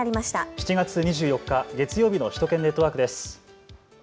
７月２４日月曜日の首都圏ネットワークです。